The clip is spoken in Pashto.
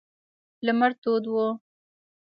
لمر تود و.